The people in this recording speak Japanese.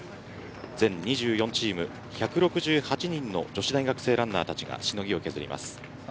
全２４チーム１６８人の女子大学生ランナーたちがしのぎを削ります。